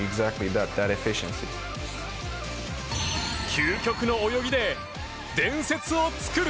究極の泳ぎで、伝説を作る！